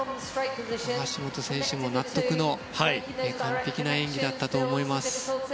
橋本選手も納得の完璧な演技だったと思います。